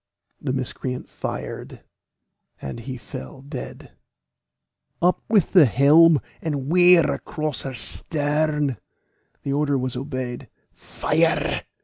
The miscreant fired, and he fell dead. "Up with the helm, and wear across her stern." The order was obeyed. "Fire!"